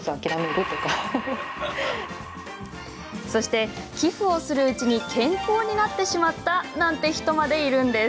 そして、寄付をするうちに健康になってしまったなんて人までいるんです。